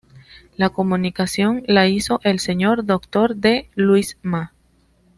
La comunicación la hizo el Sr. Dr. D. Luis Ma.